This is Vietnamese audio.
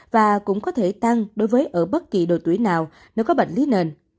và cũng có thể tăng đối với ở bất kỳ độ tuổi nào nếu có bệnh lý nền